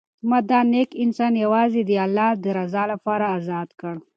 ما دا نېک انسان یوازې د الله د رضا لپاره ازاد کړ.